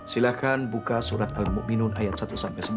silahkan buka surat al mu'minun ayat satu sebelas